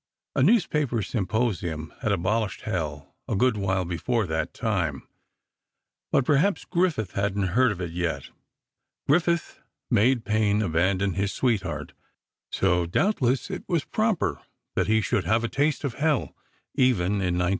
A newspaper symposium had abolished Hell a good while before that time, but perhaps Griffith hadn't heard of it yet. Griffith made Payne abandon his sweetheart, so doubtless it was proper that he should have a taste of Hell, even in 1914.